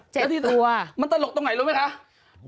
เจ็ดตัวมันตลกตรงไหนรู้ไหมคะแล้วทีนี้